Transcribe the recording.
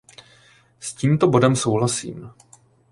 S tímto bodem souhlasím.